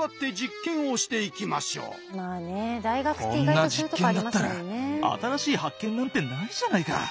こんな実験だったら新しい発見なんてないじゃないか。